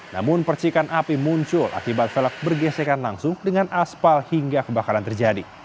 namun percikan api muncul akibat velak bergesekan langsung dengan aspal hingga kebakaran terjadi